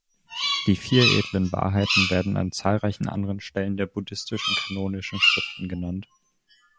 Die Vier edlen Wahrheiten werden an zahlreichen anderen Stellen der buddhistischen kanonischen Schriften genannt.